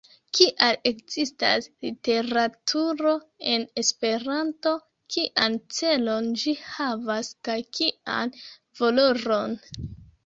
kial ekzistas literaturo en Esperanto, kian celon ĝi havas kaj kian valoron.